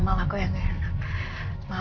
malah aku yang gak enak